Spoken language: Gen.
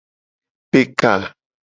Pe ka.